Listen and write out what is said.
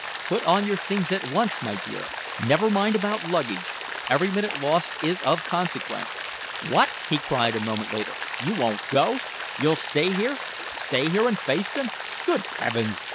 Put on your things at once, my dear. Never mind about luggage. Every minute lost is of consequence. What!" he cried a moment later. "You won't go? You'll stay here stay here and face them? Good Heavens!